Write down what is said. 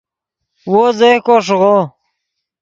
وو زیہکو ݰیغو